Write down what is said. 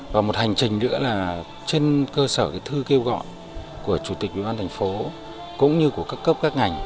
và một hành trình nữa là trên cơ sở thư kêu gọi của chủ tịch ubnd thành phố cũng như của các cấp các ngành